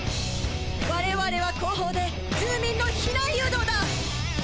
我々は後方で住民の避難誘導だ！